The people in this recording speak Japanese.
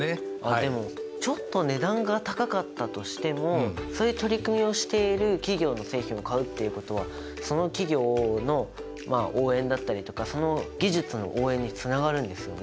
でもちょっと値段が高かったとしてもそういう取り組みをしている企業の製品を買うっていうことはその企業の応援だったりとかその技術の応援につながるんですよね。